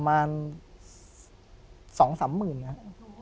๒๓มือ